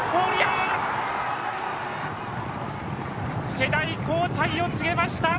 世代交代を告げました！